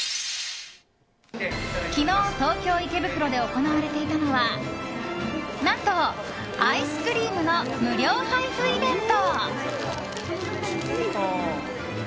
昨日、東京・池袋で行われていたのは何と、アイスクリームの無料配布イベント！